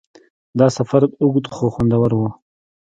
دا سفر اوږد خو خوندور و.